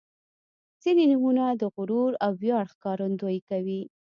• ځینې نومونه د غرور او ویاړ ښکارندويي کوي.